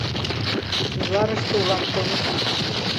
Шӱгарыште улам, шонышым.